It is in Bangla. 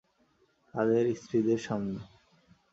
তাদের স্ত্রীদের সামনে।